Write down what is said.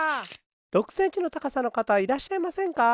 ６センチのたかさの方はいらっしゃいませんか？